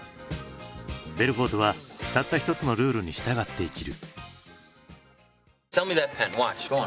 ベルフォートはたった一つのルールに従って生きる。